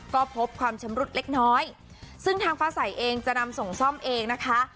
ก็พบความชำรุดเล็กน้อยซึ่งทางฟ้าใสเองจะนำส่งซ่อมเองนะคะ